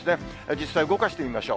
実際、動かしてみましょう。